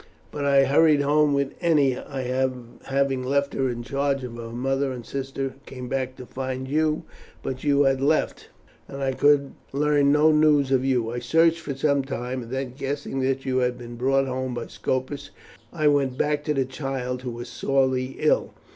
But I hurried home with Ennia, and having left her in charge of her mother and sister came back to find you, but you had left, and I could learn no news of you. I searched for some time, and then guessing that you had been brought home by Scopus, I went back to the child, who is sorely ill.